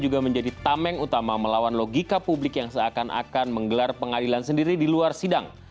gelar pengadilan sendiri di luar sidang